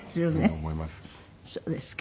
そうですか。